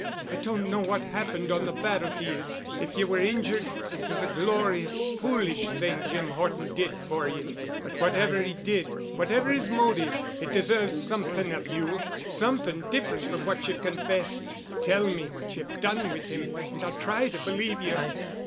I don't know what happened on the battlefield. If you were injured, it was a glorious—foolish thing Jim Horton did for you. But whatever he did and whatever his motive, it deserves something of you—something different from what you've confessed. Tell me what you have done with him and I'll try to believe you."